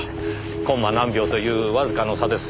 コンマ何秒というわずかの差です。